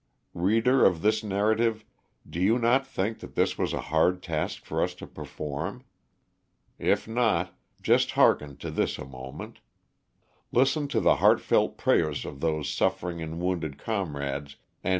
Reader of this narrative, do you not think that this was a hard task for us to perform? If not, just hearken to this a moment; listen to the heartfelt prayers of those suffering and wounded comrades and LOSS OF THE SULTAN"A.